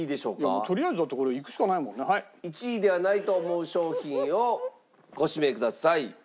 １位ではないと思う商品をご指名ください。